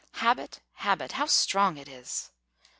Habit, habit; how strong it is!